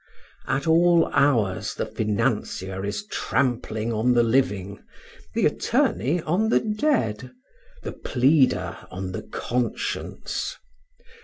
At all hours the financier is trampling on the living, the attorney on the dead, the pleader on the conscience.